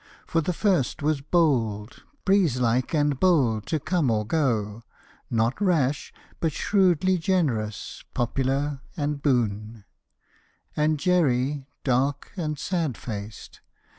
For the first was bold, Breeze like and bold to come or go; not rash, But shrewdly generous, popular, and boon: And Jerry, dark and sad faced.